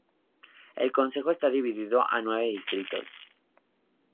El consejo está dividido a nueve distritos.